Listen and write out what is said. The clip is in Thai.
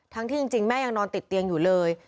ที่จริงแม่ยังนอนติดเตียงอยู่เลย